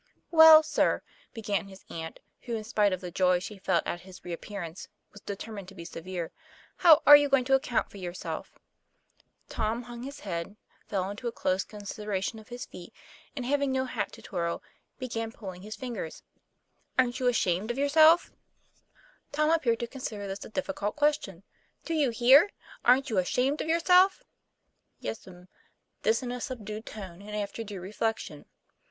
"Well, sir," began his aunt, who, in spite of the joy she felt at his reappearance, was determined to be severe, " how are you going to account for your self?" Tom hung his head, fell into a close consid eration of his feet; and, having no hat to twirl, be gan pulling his fingers, "Aren't you ashamed of yourself?" 26 TOM PL A YFAIR. Tom appeared to consider this a difficult question. "Do you hear? Aren't you ashamed of yourself?" 'Yes'm," this in a subdued tone, and after due reflection.